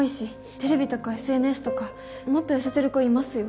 テレビとかＳＮＳとかもっと痩せてる子いますよ。